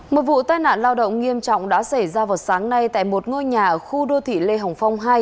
một vụ tai nạn lao động nghiêm trọng đã xảy ra vào sáng nay tại một ngôi nhà ở khu đô thị lê hồng phong hai